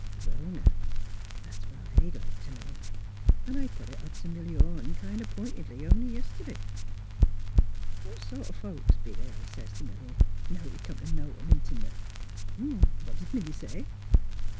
'' Well, now, that's what I'd like t' know; 'n' I put it up to Milly Orne kind o' p'intedly, only yiste'day. ' What sort o' folks be they,' I sez t' Milly, * now 'at you come to know 'em inti mate? '" ''What 'd Milly say?